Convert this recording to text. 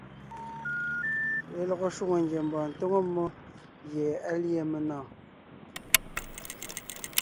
Lelɔgɔ shwòŋo ngiembɔɔn tóŋo mmó gie á lîe menɔ̀ɔn.